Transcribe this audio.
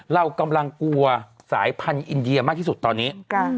เรากำลังกลัวสายพันธุ์อินเดียมากที่สุดตอนนี้